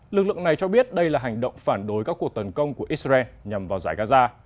lực lượng này cho biết đây là hành động phản đối các cuộc tấn công của israel nhằm vào giải gaza